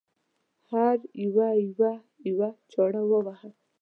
هر یوه یوه یوه چاړه وواهه.